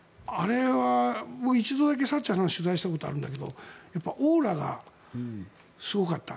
一度だけサッチャーさんを取材したことがあるんだけどオーラがすごかった。